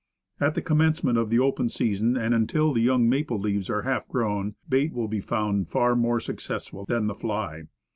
At the commencement of the open season, and until the young maple leaves are half grown, bait will be found far more successful than the fly.